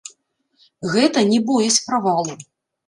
Гэта не боязь правалу.